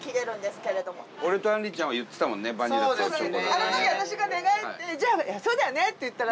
あの時私が寝返って「じゃあそうだよね」って言ったら。